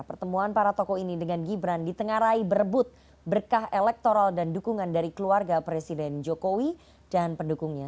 pertemuan para tokoh ini dengan gibran ditengarai berebut berkah elektoral dan dukungan dari keluarga presiden jokowi dan pendukungnya